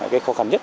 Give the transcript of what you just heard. cái khó khăn nhất